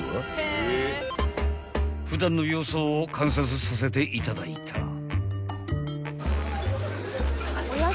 ［普段の様子を観察させていただいた］